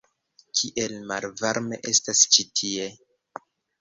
Kiel malvarme estas ĉi tie!